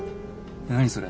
何それ？